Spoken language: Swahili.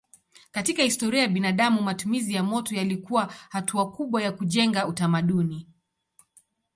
Katika historia ya binadamu matumizi ya moto yalikuwa hatua kubwa ya kujenga utamaduni.